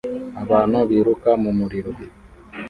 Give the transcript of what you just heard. Abantu biruka mu muriro